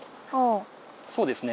そうですね。